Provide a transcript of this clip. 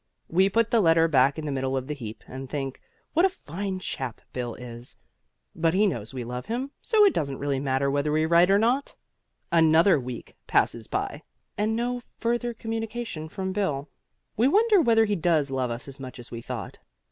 We put the letter back in the middle of the heap and think what a fine chap Bill is. But he knows we love him, so it doesn't really matter whether we write or not. Another week passes by, and no further communication from Bill. We wonder whether he does love us as much as we thought.